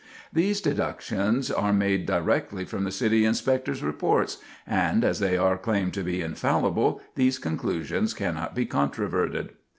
These deductions are made directly from the City Inspector's Reports, and, as they are claimed to be infallible, these conclusions cannot be controverted.